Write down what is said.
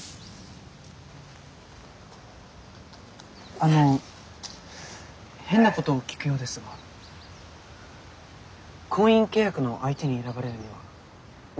あの変なことを聞くようですが婚姻契約の相手に選ばれるには何が重要でしょうか？